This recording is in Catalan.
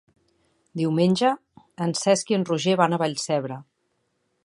Diumenge en Cesc i en Roger van a Vallcebre.